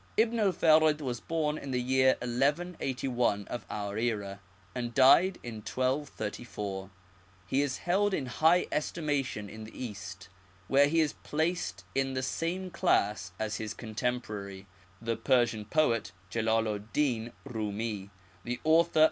Ibn el Farid was born in the year 11 81 of our era, and died in 1234; he is held in high estimation in the East, where he is placed in the same class as his contemporary, the Persian poet Jeldl ed din Rumi, the author.